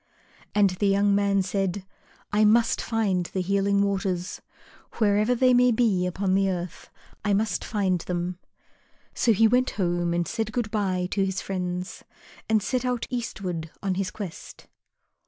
And the young man said, "I must find the Healing Waters. Wherever they may be upon the earth, I must find them." So he went home and said good bye to his friends, and set out eastward on his quest.